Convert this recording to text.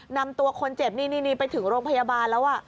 นำตัวคนเจ็บนี่ไปถึงโรงพยาบาลแล้ว